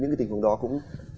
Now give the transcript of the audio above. những cái tình huống đó cũng